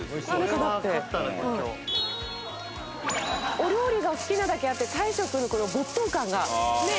お料理が好きなだけあって大昇君のこの没頭感がねっ。